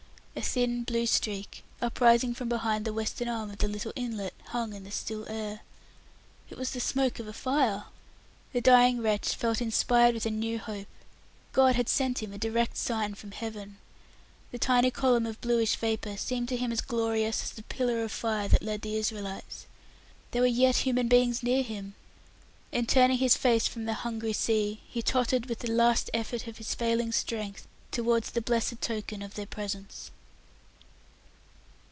A thin, blue streak, uprising from behind the western arm of the little inlet, hung in the still air. It was the smoke of a fire! The dying wretch felt inspired with new hope. God had sent him a direct sign from Heaven. The tiny column of bluish vapour seemed to him as glorious as the Pillar of Fire that led the Israelites. There were yet human beings near him! and turning his face from the hungry sea, he tottered with the last effort of his failing strength towards the blessed token of their presence.